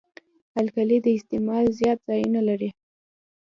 القلي د استعمال زیات ځایونه لري.